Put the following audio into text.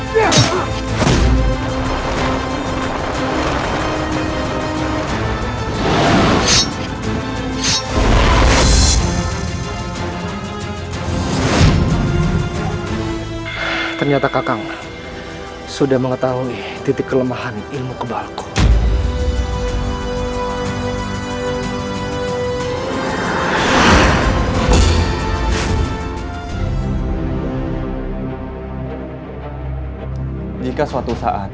jika suatu saat